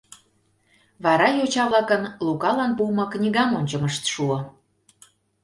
Вара йоча-влакын Лукалан пуымо книгам ончымышт шуо.